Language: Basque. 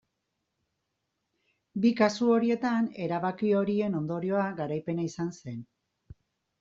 Bi kasu horietan erabaki horien ondorioa garaipena izan zen.